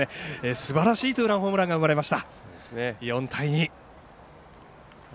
すばらしいツーランホームランが生まれました。